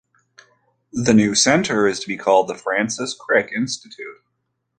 The new centre is to be called the Francis Crick Institute.